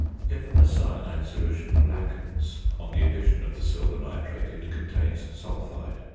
If a cyanide solution blackens on the addition of the silver nitrate it contains sulphide.